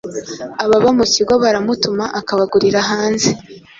ababa mu kigo baramutuma akabagurira hanze.